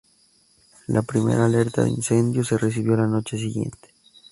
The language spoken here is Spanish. La primera alerta de incendios se recibió la noche siguiente.